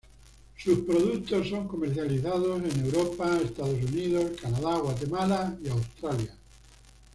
Sus productos son comercializados en Europa, Estados Unidos, Canadá, Guatemala y Australia.